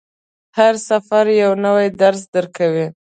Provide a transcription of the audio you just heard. هر سفر یو نوی درس درکوي.